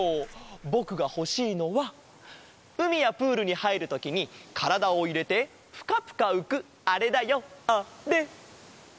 ぼくがほしいのはうみやプールにはいるときにからだをいれてプカプカうくあれだよあれ！